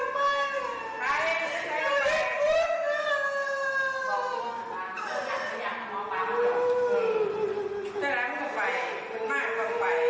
แต่แหละคุณไปมันมากกว่าคุณไป